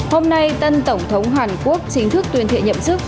hôm nay tân tổng thống hàn quốc chính thức tuyên thệ nhậm chức